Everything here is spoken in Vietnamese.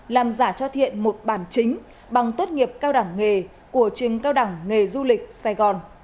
làm giả cho thiện một bản chính bằng tốt nghiệp cao đẳng nghề của trường cao đẳng nghề du lịch sài gòn